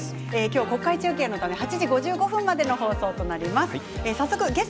国会中継のため今日は８時５５分までの放送です。